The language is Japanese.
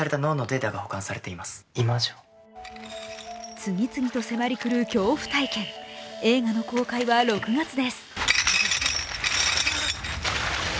次々と迫り来る恐怖体験映画の公開は６月です。